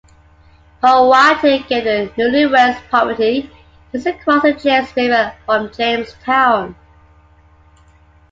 Powhatan gave the newlyweds property just across the James River from Jamestown.